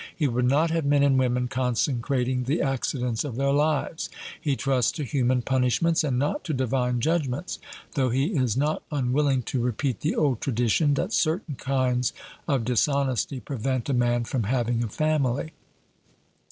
He would not have men and women consecrating the accidents of their lives. He trusts to human punishments and not to divine judgments; though he is not unwilling to repeat the old tradition that certain kinds of dishonesty 'prevent a man from having a family.'